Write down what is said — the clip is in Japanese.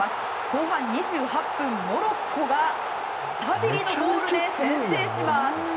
後半２８分、モロッコがサビリのゴールで先制します。